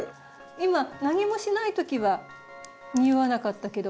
今何もしないときは匂わなかったけど。